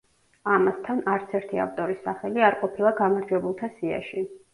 ამასთან, არცერთი ავტორის სახელი არ ყოფილა გამარჯვებულთა სიაში.